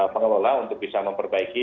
pengelola untuk bisa memperbaiki